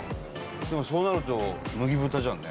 でもそうなると麦豚じゃんね。